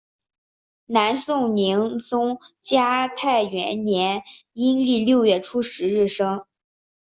南宋宁宗嘉泰元年阴历六月初十日生。